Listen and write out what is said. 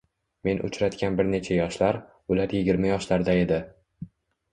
men uchratgan bir necha yoshlar, ular yigirma yoshlarda edi.